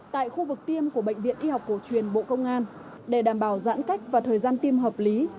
tại khu vực tiêm của bệnh viện y học cổ truyền bộ công an để đảm bảo giãn cách và thời gian tiêm hợp lý